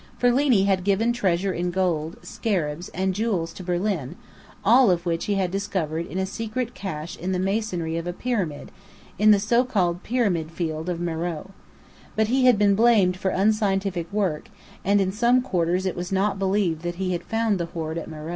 Ferlini had given treasure in gold, scarabs, and jewels to Berlin, all of which he had discovered in a secret cache in the masonry of a pyramid, in the so called "pyramid field" of Meröe. But he had been blamed for unscientific work, and in some quarters it was not believed that he had found the hoard at Meröe.